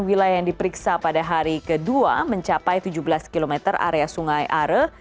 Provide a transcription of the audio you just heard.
wilayah yang diperiksa pada hari kedua mencapai tujuh belas km area sungai are